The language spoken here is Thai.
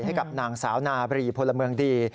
ให้กับนางสาวนาบรีพลเมืองดี